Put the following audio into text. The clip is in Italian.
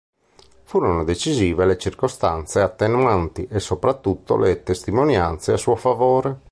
Furono decisive le circostanze attenuanti, e soprattutto le testimonianze a suo favore.